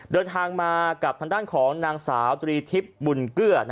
เดินทางมากับทางด้านของนางสาวตรีทิพย์บุญเกลือ